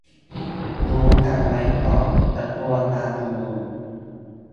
รู้กันไว้ก่อนจะกลัว การชุมนุม